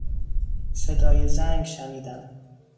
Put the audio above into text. صدای زنگ شنیدم.